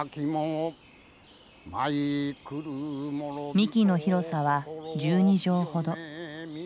幹の広さは１２畳ほど。